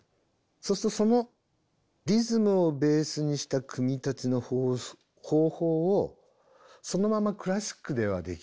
そうするとそのリズムをベースにした組み立ての方法をそのままクラシックではできないだろうか？